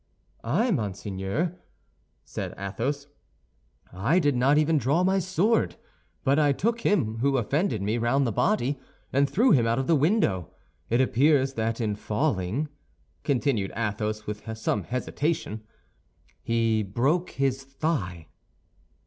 "I, monseigneur?" said Athos. "I did not even draw my sword, but I took him who offended me round the body, and threw him out of the window. It appears that in falling," continued Athos, with some hesitation, "he broke his thigh."